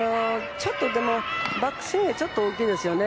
ちょっとでもバックスイングが大きいですよね。